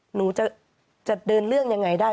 หนูจะเดินเรื่องยังไงได้